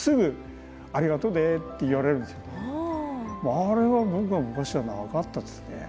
あれは僕は昔はなかったですね。